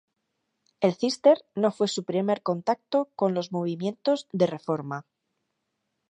El Císter no fue su primer contacto con los movimientos de reforma.